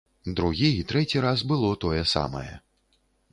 Другі і трэці раз было тое самае.